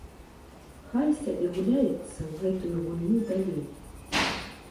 Хай сабе гуляецца ў гэтую гульню далей.